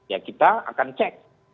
ya kita akan cek